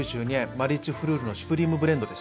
マリッジフルールのシュプリームブレンドです。